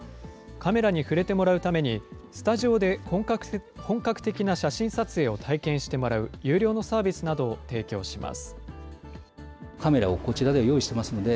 カメラに触れてもらうために、スタジオで本格的な写真撮影を体験してもらう有料のサービスなどを提供します。